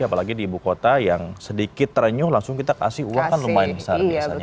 apalagi di ibu kota yang sedikit terenyuh langsung kita kasih uang kan lumayan besar biasanya